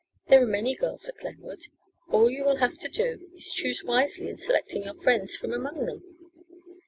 There are many girls at Glenwood. All you will have to do is to choose wisely in selecting your friends from among them."